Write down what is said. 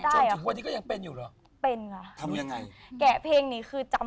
จนถึงวันนี้ก็ยังเป็นอยู่หรอ